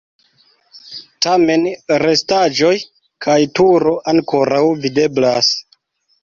Tamen restaĵoj kaj turo ankoraŭ videblas.